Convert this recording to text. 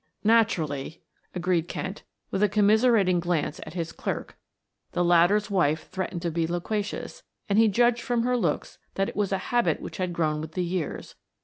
"Naturally," agreed Kent with a commiserating glance at his clerk; the latter's wife threatened to be loquacious, and he judged from her looks that it was a habit which had grown with the years.